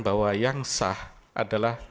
bahwa yang sah adalah